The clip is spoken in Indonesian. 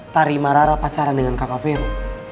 tarima rara pacaran dengan kakak veru